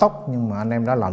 cháu xem gạo